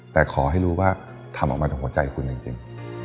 แต่ขอให้รู้ว่าทำออกมาจากหัวใจคุณจริง